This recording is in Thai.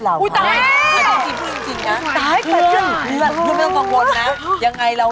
สวัสดีครับ